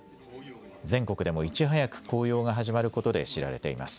全国でもいち早く紅葉が始まることで知られています。